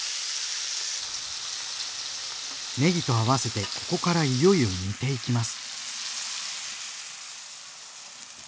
ねぎと合わせてここからいよいよ煮ていきます。